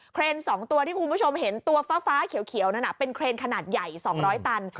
เครน๒ตัวที่คุณผู้ชมเห็นตัวฟ้าเขียวนั้นเป็นเครนขนาดใหญ่๒๐๐ตัน